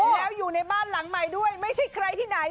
แล้วอยู่ในบ้านหลังใหม่ด้วยไม่ใช่ใครที่ไหน